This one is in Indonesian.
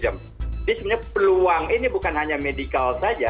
jadi sebenarnya peluang ini bukan hanya medical saja